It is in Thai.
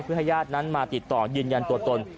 เพื่อให้ญาตินั้นมาติดต่อยืนยันตัวตน